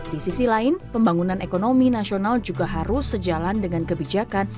di sisi lain pembangunan ekonomi nasional juga harus sejalan dengan kebijakan